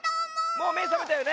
もうめさめたよね？